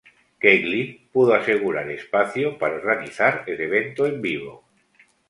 Keighley pudo asegurar espacio para organizar el evento en vivo.